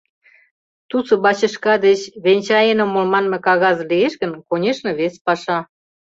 Тусо бачышка деч «венчаен омыл» манме кагаз лиеш гын, конешне, вес паша...